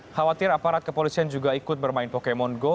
khawatir aparat kepolisian juga ikut bermain pokemon go